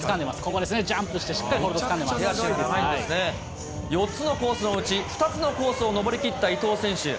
ここですね、ジャンプしてしっか４つのコースのうち、２つのコースを登り切った伊藤選手。